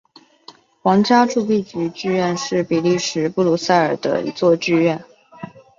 皇家铸币局剧院是比利时布鲁塞尔的一座剧院。